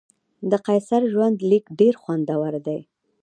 د قیصر ژوندلیک ډېر خوندور دی.